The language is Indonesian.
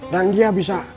dan dia bisa